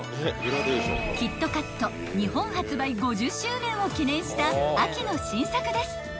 ［キットカット日本発売５０周年を記念した秋の新作です］